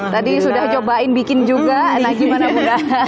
tadi sudah coba bikin juga nah gimana bunda